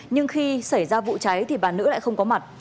nhưng khi xảy ra vụ cháy thì bà nữ lại không có mặt